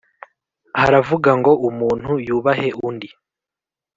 Haravuga ngo umuntu yubahe undi